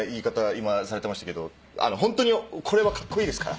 今されてましたけどホントにこれはカッコイイですから。